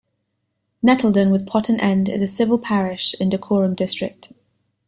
Nettleden with Potten End is a civil parish in Dacorum District.